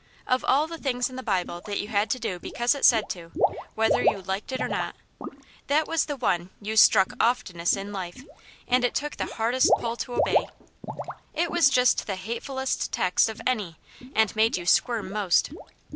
Of all the things in the Bible that you had to do because it said to, whether you liked it or not, that was the one you struck oftenest in life and it took the hardest pull to obey. It was just the hatefulest text of any, and made you squirm most.